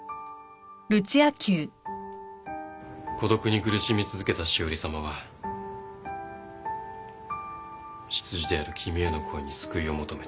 孤独に苦しみ続けた詩織さまは執事である君への恋に救いを求めた。